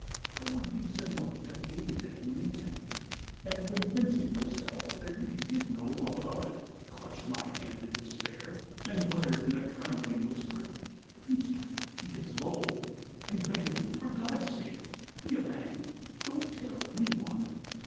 "Cowardly Zinotchka gazed at me intently, and convincing herself that I really did know all about it, clutched my hand in despair and muttered in a trembling whisper: "'Petya, it is low. ... I beg of you, for God's sake. ... Be a man ... don't tell anyone.